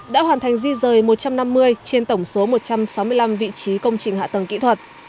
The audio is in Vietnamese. đã hoàn thành di rời một trăm năm mươi trên tổng số một trăm sáu mươi năm vị trí công trình hạ tầng kỹ thuật